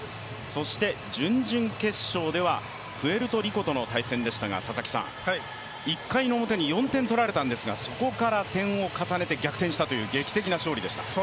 準々決勝ではプエルトリコとの対戦でしたが１回の表に４点取られたんですが、そこから点を重ねて逆転をしたという劇的な勝利でした。